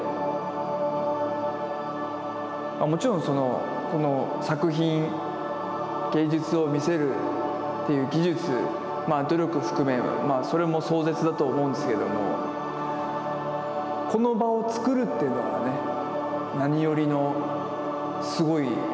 もちろんそのこの作品芸術を見せるっていう技術努力含めそれも壮絶だと思うんですけどもこの場をつくるっていうのがね何よりのすごいっていうか。